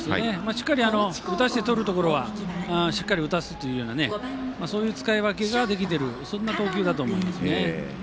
しっかり打たせてとるところは打たせるというそういう使い分けができてる投球だと思いますね。